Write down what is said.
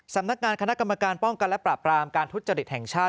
สำนักงานคณะกรรมการป้องกันและปราบรามการทุจริตแห่งชาติ